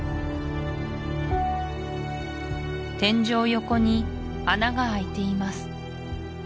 天井横に穴があいています